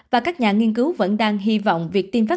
và các nhà nghiên cứu vẫn đang hy vọng việc tiêm vaccine